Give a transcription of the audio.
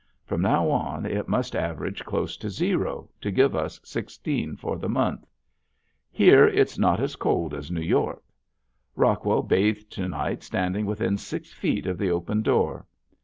From now on it must average close to zero to give us sixteen for the month. Here it's not as cold as New York. Rockwell bathed to night standing within six feet of the open door.